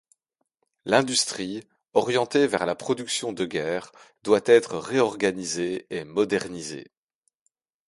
L’industrie, orientée vers la production de guerre, doit être réorganisée et modernisée.